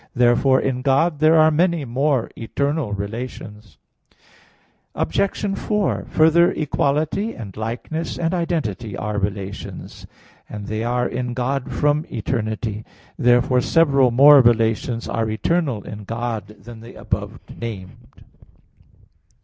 Therefore in God there are many more eternal relations. Obj. 4: Further, equality, and likeness, and identity are relations: and they are in God from eternity. Therefore several more relations are eternal in God than the above named.